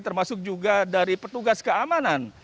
termasuk juga dari petugas keamanan